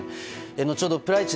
後ほどプライチ！